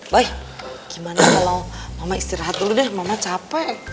baik gimana kalau mama istirahat dulu deh mama capek